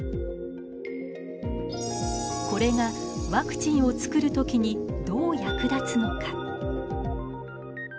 これがワクチンを作る時にどう役立つのか。